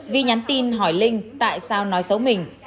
vi nhắn tin hỏi linh tại sao nói xấu mình